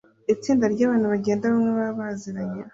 Itsinda ryabantu bagenda hamwe baba baziranye